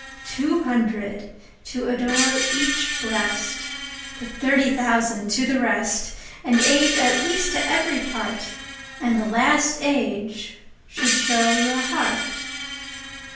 Two hundred to adore each Breast:But thirty thousand to the rest. An Age at least to every part, And the last Age should show your Heart.